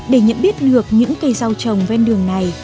để nhận biết được những cây rau trồng ven đường này